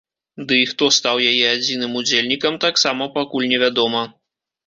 Ды і хто стаў яе адзіным удзельнікам таксама пакуль не вядома.